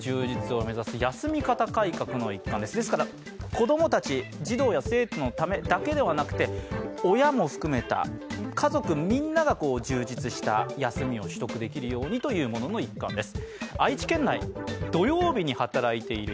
子どもたち、児童や生徒のためだけでなく親も含めた家族みんなが充実した休みを取得できるようにというものの一環です。